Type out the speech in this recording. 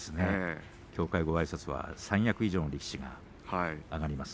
協会ごあいさつは三役以上の力士が上がります。